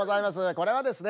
これはですね